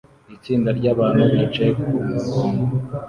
Itsinda ryabantu bicaye kumurongo